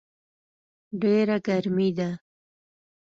ډېره ګرمي ده